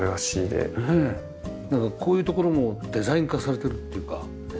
なんかこういうところもデザイン化されてるっていうか。